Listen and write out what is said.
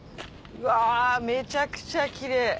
うわめちゃくちゃキレイ！